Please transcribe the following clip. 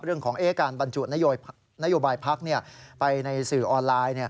เรื่องของการบรรจุนโยบายพักไปในสื่อออนไลน์